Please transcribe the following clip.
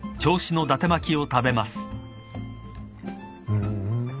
うん。